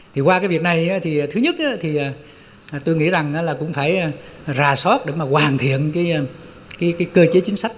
thì qua cái việc này thì thứ nhất thì tôi nghĩ rằng là cũng phải rà soát để mà hoàn thiện cái cơ chế chính sách